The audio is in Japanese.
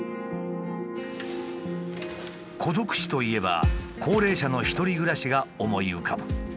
孤独死といえば高齢者の一人暮らしが思い浮かぶ。